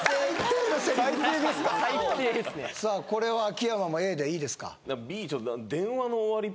これは秋山もＡでいいですか？